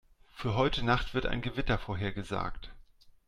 Für heute Nacht wird ein Gewitter vorhergesagt.